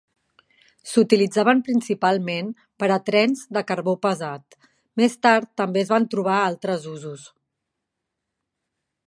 S'utilitzaven principalment per a trens de carbó pesat, més tard també es van trobar altres usos.